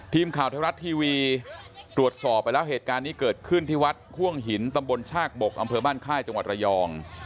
ทีมข่าวไทยรัฐทีวีตรวจสอบไปแล้วเหตุการณ์นี้เกิดขึ้นที่วัดห่วงหินตำบลชากบกอำเภอบ้านค่ายจังหวัดระยอง